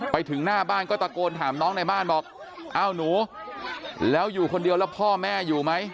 ไปถึงหน้าบ้านก็ตะโกนถามน้องในบ้านบอกอ้าวหนูแล้วอยู่คนเดียวแล้วพ่อแม่อยู่ไหม